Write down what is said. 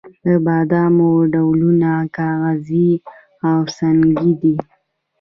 د بادامو ډولونه کاغذي او سنګي دي.